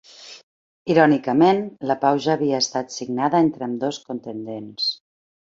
Irònicament, la pau ja havia estat signada entre ambdós contendents.